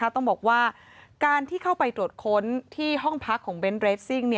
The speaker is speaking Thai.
ต้องบอกว่าการที่เข้าไปตรวจค้นที่ห้องพักของเบนท์เรสซิ่ง